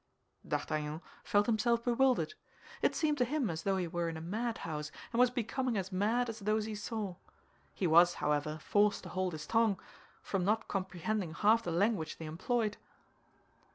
D'Artagnan felt himself bewildered. It seemed to him as though he were in a madhouse, and was becoming as mad as those he saw. He was, however, forced to hold his tongue from not comprehending half the language they employed.